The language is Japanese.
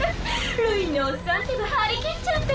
ルインのおっさんってば張り切っちゃって